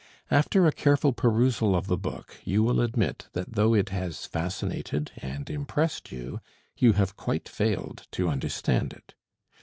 After a careful perusal of the book, you will admit that though it has fascinated and impressed you, you have quite failed to understand it.